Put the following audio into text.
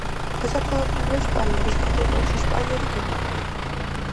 დასაფლავებულია შპაიერის კათედრალში, შპაიერი, გერმანია.